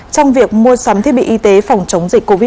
trong việc mua sắm thiết bị y tế phòng chống dịch covid một mươi chín